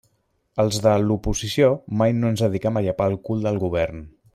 Els de l'oposició mai no ens dediquem a llepar el cul del Govern.